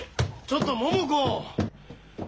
ちょっと桃子！